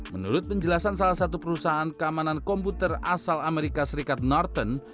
menurut penjelasan salah satu perusahaan keamanan komputer asal amerika serikat norton